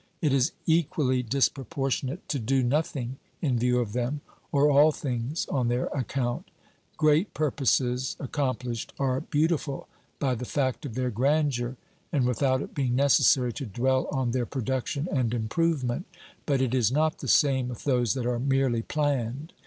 It is equally disproportionate to do nothing in view of them, or all things on their account. Great purposes accomplished are beautiful by the fact of their grandeur and without it being necessary to dwell on their production and improvement, but it is not the same with those that are merely planned.